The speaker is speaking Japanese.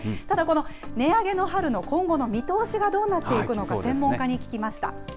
ただこの、値上げの春の今後の見通しがどうなっていくのか、専門家に聞きました。